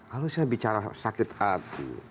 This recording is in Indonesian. kalau saya bicara sakit hati